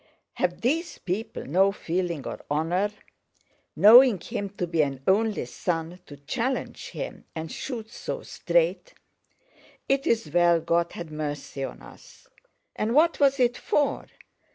Have these people no feeling, or honor? Knowing him to be an only son, to challenge him and shoot so straight! It's well God had mercy on us. And what was it for?